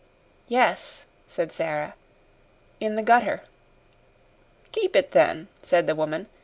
"Yes," said Sara. "In the gutter." "Keep it, then," said the woman.